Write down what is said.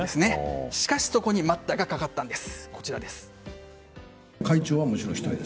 しかしそこに待ったがかかったんです。